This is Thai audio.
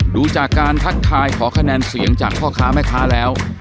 ดูจากการทักทายขอคะแนนเสียงจากพ่อค้าแม่ค้าแล้ว